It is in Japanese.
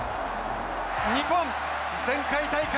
日本、前回大会